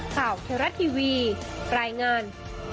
ข่าวแชร์รัดทีวีปรายงาน